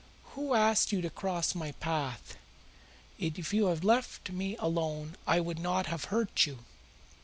Who asked you to cross my path? If you had left me alone I would not have hurt you."